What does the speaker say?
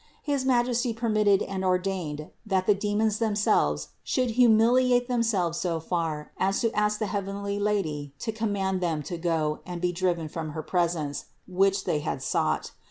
His Majesty permitted and ordained that the demons themselves should hu miliate themselves so far as to ask the heavenly Lady to command them to go and be driven from her presence, which they had sought.